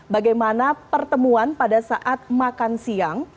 bagaimana pertemuan pada saat makan siang